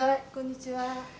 こんにちは。